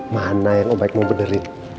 mana yang baik mu benerin